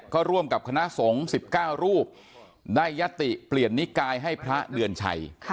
ก็ร่วมกับคณะสงฆ์๑๙รูปได้ยัตติเปลี่ยนนิกายให้พระเดือนชัย